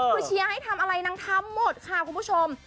คือเชียร์ให้ทำอะไรนางทำหมดค่ะคุณผู้ชม